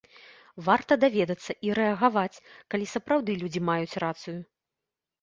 Варта даведацца і рэагаваць, калі сапраўды людзі маюць рацыю.